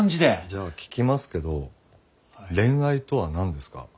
じゃあ聞きますけど恋愛とは何ですか？